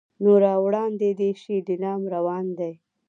نو را وړاندې دې شي لیلام روان دی.